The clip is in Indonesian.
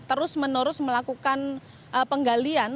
terus menerus melakukan penggalian